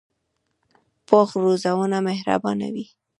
پوخ زړونه مهربانه وي